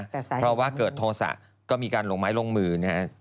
เพราะว่าเกิดโทษะก็มีการลงไม้ลงมือนะฮะ